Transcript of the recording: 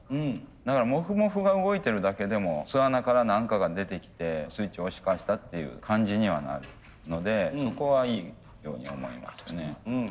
だからモフモフが動いてるだけでも巣穴から何かが出てきてスイッチを押し返したっていう感じにはなるのでそこはいいように思いますね。